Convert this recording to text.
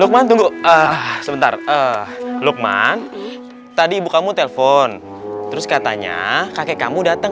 lukman tunggu sebentar lukman tadi ibu kamu telpon terus katanya kakek kamu datang